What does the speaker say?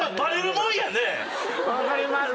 分かります。